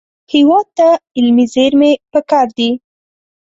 هېواد ته علمي زېرمې پکار دي